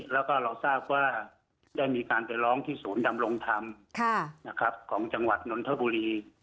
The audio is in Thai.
แล้วก็เราทราบว่าได้มีการไปร้องที่ศูนย์ดำรงธรรมของจังหวัดนนทบุรี